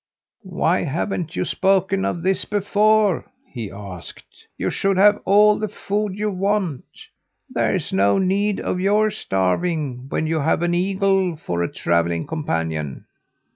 "Why haven't you spoken of this before?" he asked. "You shall have all the food you want. There's no need of your starving when you have an eagle for a travelling companion."